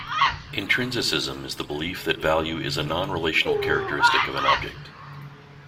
Intrinsicism is the belief that value is a non-relational characteristic of an object.